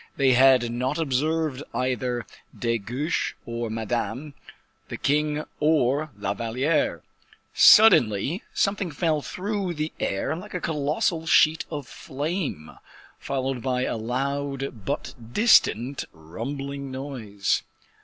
They had not observed either De Guiche or Madame, the king or La Valliere. Suddenly something fell through the air like a colossal sheet of flame, followed by a loud but distant rumbling noise.